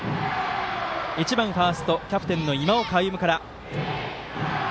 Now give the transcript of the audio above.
１番ファーストキャプテンの今岡歩夢から。